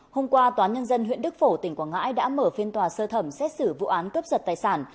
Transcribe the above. hôm qua toán nhân dân huyện đức phổ tỉnh quảng ngãi đã mở phiên tòa sơ thẩm xét xử vụ án cấp sật tài sản